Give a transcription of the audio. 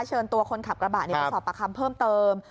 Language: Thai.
เชิญตัวคนขับกระบะไปสอบประคำเพิ่มเติม